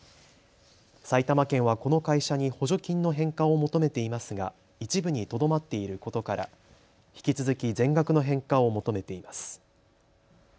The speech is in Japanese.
埼玉県はこの会社に補助金の返還を求めていますが一部にとどまっていることから引き続き全額の返還を求めています。